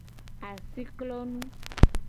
Asi klonu.